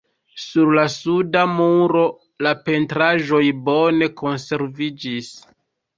Sur la suda muro la pentraĵoj bone konserviĝis.